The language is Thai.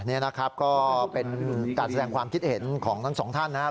นี่นะครับก็เป็นการแสดงความคิดเห็นของทั้งสองท่านนะครับ